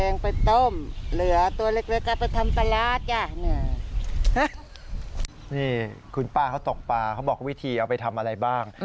นี่คุณป้าเขาตกปลาเขาบอกวิธีเอาไปทำอะไรบ้าง